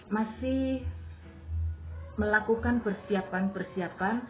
masih melakukan persiapan persiapan